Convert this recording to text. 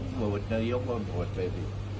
บ๊วยก็ผู้ประวัตินโยคหวัดไปดิ